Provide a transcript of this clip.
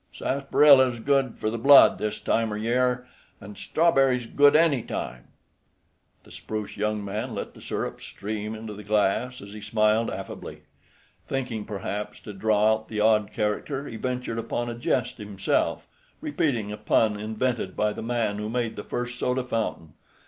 Sassprilla's good for the blood this time er year, an' strawberry's good any time." The spruce young man let the syrup stream into the glass as he smiled affably. Thinking, perhaps, to draw out the odd character, he ventured upon a jest himself, repeating a pun invented by the man who made the first soda fountain.